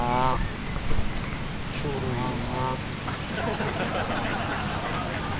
ちょうどいいよ。